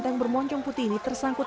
tank bermoncong putih ini tersangkut